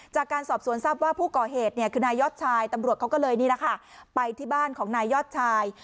จากการสอบสวนทราบว่าผู้ก่อเหตุคือนายยอดชายตำรวจเขาก็เลยนี่แหละค่ะไปที่บ้านของนายยอดชาย